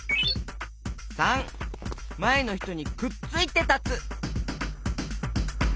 ③まえのひとにくっついてたつ。